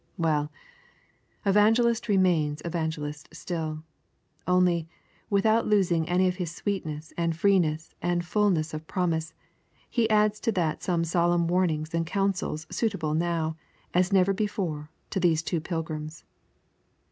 Well, Evangelist remains Evangelist still. Only, without losing any of his sweetness and freeness and fulness of promise, he adds to that some solemn warnings and counsels suitable now, as never before, to these two pilgrims.